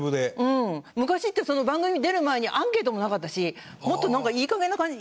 昔って番組出る前にアンケートもなかったしもっとなんかいい加減な感じ。